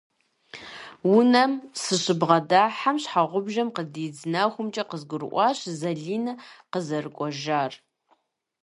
Унэм сыщыбгъэдыхьэм, щхьэгъубжэм къыдидз нэхумкӏэ къызгурыӏуащ Залинэ къызэрыкӏуэжар.